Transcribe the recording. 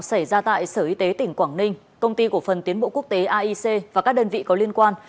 xảy ra tại sở y tế tỉnh quảng ninh công ty cổ phần tiến bộ quốc tế aic và các đơn vị có liên quan